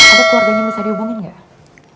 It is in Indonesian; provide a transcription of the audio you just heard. ada keluarganya bisa dihubungin nggak